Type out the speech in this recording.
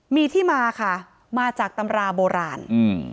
มีที่มาค่ะมาจากตำราโบราณอืม